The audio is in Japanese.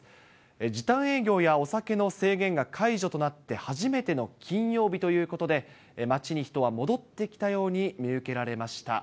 時短営業やお酒の制限が解除となって初めての金曜日ということで、街に人は戻ってきたように見受けられました。